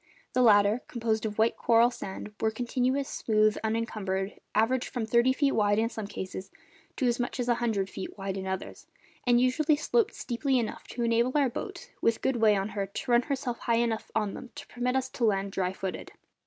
The latter, composed of white coral sand, were continuous, smooth, unencumbered, averaged from thirty feet wide in some cases to as much as a hundred feet wide in others, and usually sloped steeply enough to enable our boat, with good way on her, to run herself high enough on them to permit us to land dry footed.